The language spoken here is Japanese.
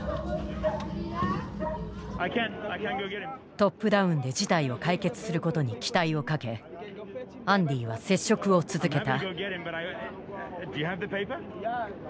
トップダウンで事態を解決することに期待をかけアンディは接触を続けた。